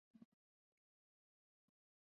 我应该怎样做？